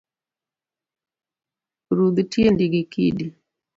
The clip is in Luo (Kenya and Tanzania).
Rudh tiendi gi kidi